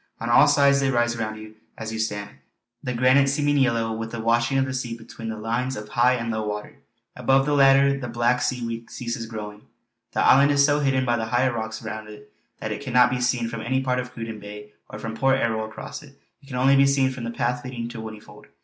On all sides they rise round you as you stand, the granite seeming yellow with the washing of the sea between the lines of high and low water; above the latter the black seaweed ceases growing. This island is so hidden by the higher rocks around it that it cannot be seen from any part of Cruden Bay or from Port Erroll across it; it can only be seen from the path leading to Whinnyfold.